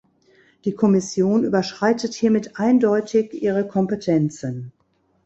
Die Kommission überschreitet hiermit eindeutig ihre Kompetenzen.